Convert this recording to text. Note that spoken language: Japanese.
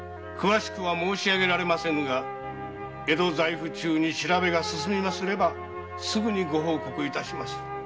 詳しくは申しあげられませぬが江戸在府中に調べが進みますればすぐにご報告致しまする。